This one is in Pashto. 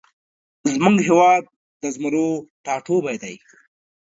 زمونږ هیواد د زمرو ټاټوبی دی